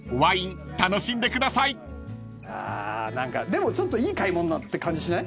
でもちょっといい買い物って感じしない？